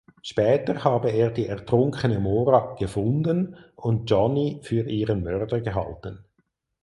Später habe er die ertrunkene Mora „gefunden“ und Johnny für ihren Mörder gehalten.